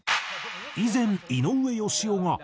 以前井上芳雄が。